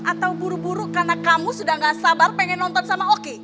atau buru buru karena kamu sudah gak sabar pengen nonton sama oki